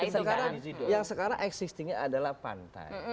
sekarang yang sekarang existingnya adalah pantai